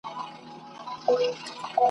ما په غزل کي وه د حق پر جنازه ژړلي !.